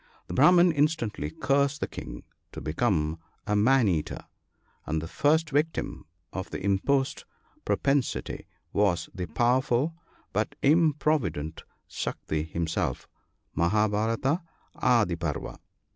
The Brahman instantly cursed the King to become a man eater, and the first victim of the imposed propensity was the powerful but improvident Saktri himself {Mahabharata^ Adi Parva).